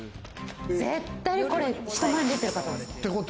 絶対これ、人前に出てる方です。